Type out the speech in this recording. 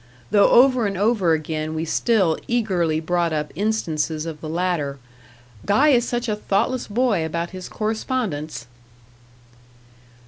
Though over and over again we still eagerly brought up instances of the latter "Guy is such a thoughtless boy about his correspondence."